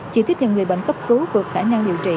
chỉ tiếp nhận người bệnh cấp cứu vượt khả năng điều trị